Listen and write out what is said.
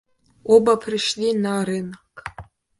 Оба пришли на рынок.